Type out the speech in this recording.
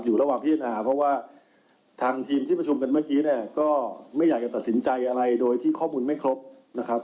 ระหว่างพิจารณาเพราะว่าทางทีมที่ประชุมกันเมื่อกี้เนี่ยก็ไม่อยากจะตัดสินใจอะไรโดยที่ข้อมูลไม่ครบนะครับ